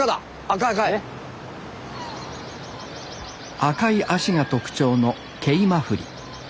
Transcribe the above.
赤い足が特徴のケイマフリ。